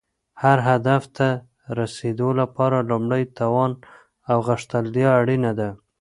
هر هدف ته رسیدو لپاره لومړی توان او غښتلتیا اړینه ده.